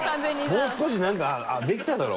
もう少しなんかできただろう。